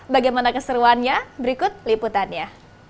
bagaimana keseruannya berikut liputannya